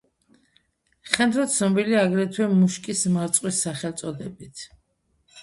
ხენდრო ცნობილია აგრეთვე მუშკის მარწყვის სახელწოდებით.